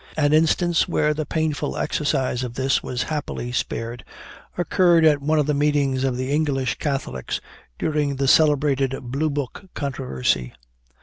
An instance where the painful exercise of this was happily spared, occurred at one of the meetings of the English Catholics, during the celebrated Blue Book Controversy.